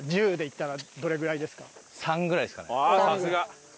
さすが！